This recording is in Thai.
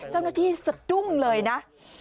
เจ้าหน้าที่สะดุ้งเลยนะ